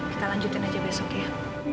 kita lanjutin aja besok ya